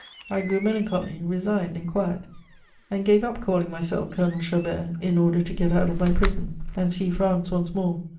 I grew melancholy, resigned, and quiet, and gave up calling myself Colonel Chabert, in order to get out of my prison, and see France once more.